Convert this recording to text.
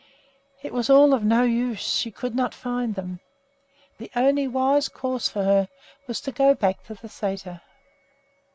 It was all of no use; she could not find them. The only wise course for her was to go back to the sæter.